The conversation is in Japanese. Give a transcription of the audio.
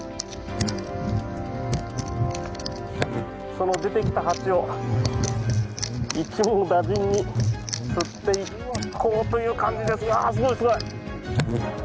その出てきた蜂を一網打尽に吸っていこうという感じですがすごい、すごい。